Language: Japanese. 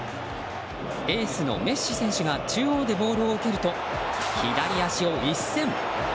エースのメッシ選手が中央でボールを受けると左足を一閃。